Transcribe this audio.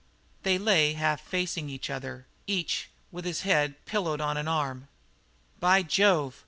They lay half facing each other, each with his head pillowed on an arm. "By Jove!